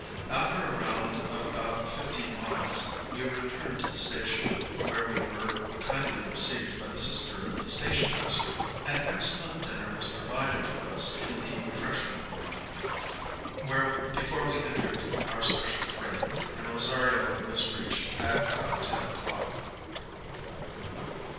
After a round of about fifteen miles, we returned to the station, where we were kindly received by the sister of the station master. An excellent dinner was provided for us in the refreshment room, before we entered our special train, and Rosario was reached at about ten o'clock.